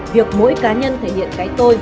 việc mỗi cá nhân thể hiện cái tôi